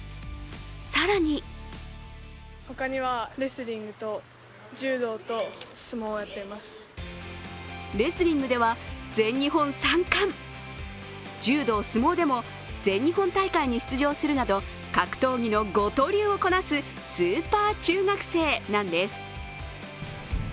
更にレスリングでは全日本３冠、柔道・相撲でも全日本大会に出場するなど格闘技の５刀流をこなすスーパー中学生なんです。